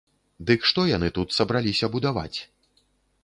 Дык што яны тут сабраліся будаваць?